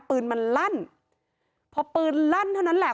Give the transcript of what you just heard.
ปืนมันลั่นพอปืนลั่นเท่านั้นแหละ